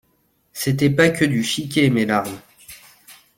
C’était pas que du chiqué, mes larmes.